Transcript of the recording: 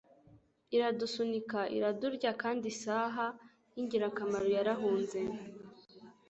Iradusunika iradurya kandi isaha yingirakamaro yarahunze